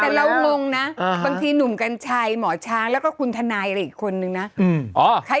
แต่เรางงนะบางทีหนุ่มกัญชัยหมอช้างแล้วก็คุณทนายอะไรอีกคนนึงนะ